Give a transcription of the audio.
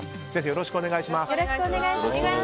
よろしくお願いします。